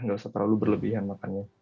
nggak usah terlalu berlebihan makannya